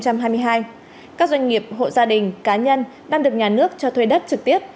các doanh nghiệp hộ gia đình cá nhân đang được nhà nước cho thuê đất trực tiếp